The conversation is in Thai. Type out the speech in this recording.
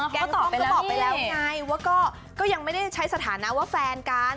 ก็ต้องก็บอกไปแล้วไงว่าก็ยังไม่ได้ใช้สถานะว่าแฟนกัน